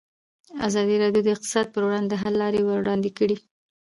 ازادي راډیو د اقتصاد پر وړاندې د حل لارې وړاندې کړي.